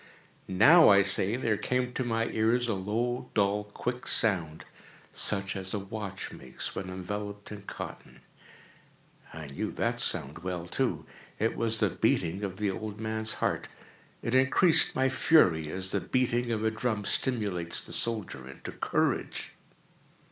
—now, I say, there came to my ears a low, dull, quick sound, such as a watch makes when enveloped in cotton. I knew that sound well, too. It was the beating of the old man's heart. It increased my fury, as the beating of a drum stimulates the soldier into courage.